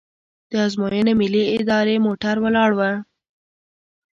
د ازموینې ملي ادارې موټر ولاړ و.